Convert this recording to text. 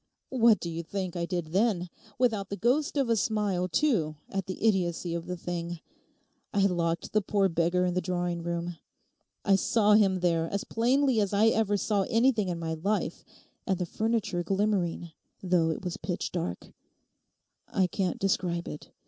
'What do you think I did then, without the ghost of a smile, too, at the idiocy of the thing? I locked the poor beggar in the drawing room. I saw him there, as plainly as I ever saw anything in my life, and the furniture glimmering, though it was pitch dark: I can't describe it.